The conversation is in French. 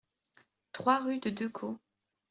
trois rue du Decau